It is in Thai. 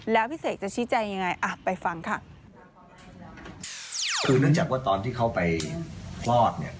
แล้วพี่เสกจะชี้แจงยังไงอ่ะไปฟังค่ะคือเนื่องจากว่าตอนที่เขาไปคลอดเนี่ย